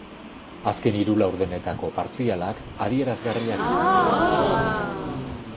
Azken hiru laurdenetako partzialak adierazgarriak izan ziren oso.